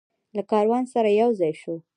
له کاروان سره یوځای شو.